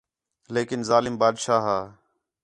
لیکن ظالم بادشاہ ہا